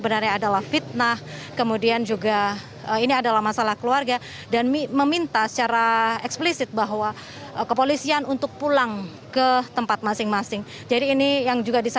di video ini terlihat jelas